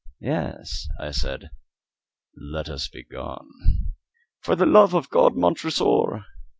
"Yes," I said, "let us be gone." "_For the love of God, Montresor!